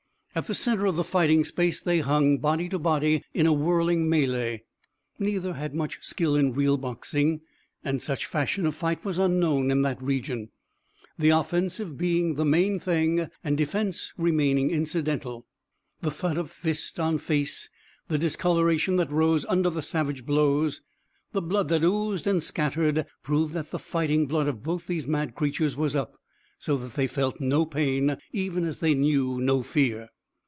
At the center of the fighting space they hung, body to body, in a whirling melée. Neither had much skill in real boxing, and such fashion of fight was unknown in that region, the offensive being the main thing and defense remaining incidental. The thud of fist on face, the discoloration that rose under the savage blows, the blood that oozed and scattered, proved that the fighting blood of both these mad creatures was up, so that they felt no pain, even as they knew no fear.